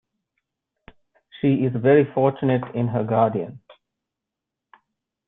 She is very fortunate in her guardian.